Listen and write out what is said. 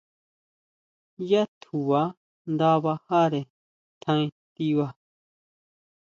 Yá tjuba nda bajare tjaen tiba.